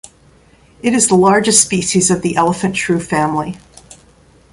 It is the largest species of the elephant shrew family.